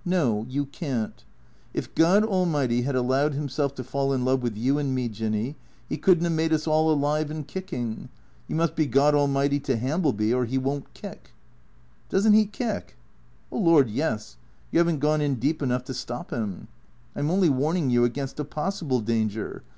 " No, you can't. If God Almighty had allowed himself to fall in love with you and me, Jinny, he could n't have made us all alive and kicking. You must be God Almighty to Ham bleby or he won't kick." "Doesn't he kick?" " Oh, Lord, yes. You have n't gone in deep enough to stop him. I 'm only warning you against a possible danger.